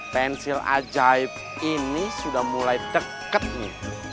pensil ajaib ini sudah mulai deket nih